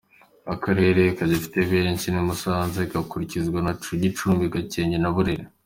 Akarere kahafite benshi ni Musanze, igakurikirwa na Gicumbi, Gakenke na Burera.